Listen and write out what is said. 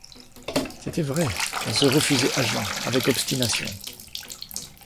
C’était vrai, elle se refusait à Jean, avec obstination.